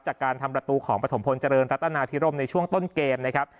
จากการทำประตูของปฐมพลเจริญรัตนาพิรมในช่วงต้นเกมนะครับ